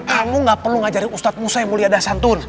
kamu gak perlu ngajarin ustadz musa yang mulia dasantun